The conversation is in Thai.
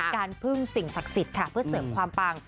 การพึ่งสิ่งศักดิ์สิทธิ์ค่ะเพื่อเสริมความปัง